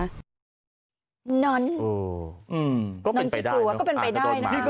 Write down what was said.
น้อนน้องขี้กลัวก็เป็นไปได้นะครับอ่านข้างโต๊ะหมาไล่น้องขี้กลัวก็เป็นไปได้นะครับ